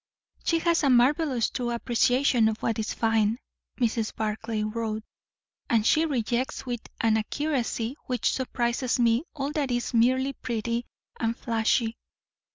"She has a marvellous true appreciation of what is fine," Mrs. Barclay wrote; "and she rejects with an accuracy which surprises me, all that is merely pretty and flashy.